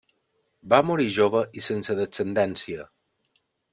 Va morir jove i sense descendència.